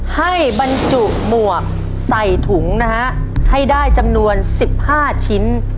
ให้บรรจุหมวกใส่ถุงนะฮะให้ได้จำนวน๑๕ชิ้น